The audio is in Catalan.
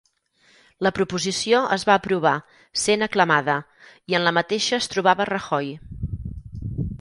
La proposició es va aprovar, sent aclamada, i en la mateixa es trobava Rajoy.